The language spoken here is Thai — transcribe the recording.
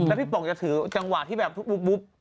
แล้วพี่โป่งจะถือจังหวะที่แบบบุ๊บ